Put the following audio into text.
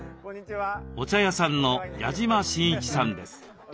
お茶屋さんの矢嶋新一さんです。